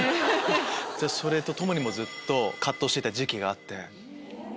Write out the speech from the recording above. それとともにずっと藤してた時期があって？